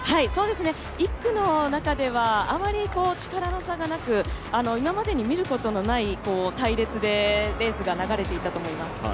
１区の中ではあまり力の差がなく今までに見ることのない隊列でレースが流れていたと思います。